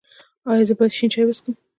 ایا زه باید شین چای وڅښم؟